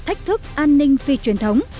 an ninh phi truyền thống